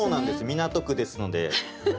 港区ですので。